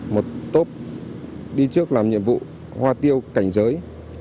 một tốp đi trước làm nhiệm vụ hoa tiêu cảnh giới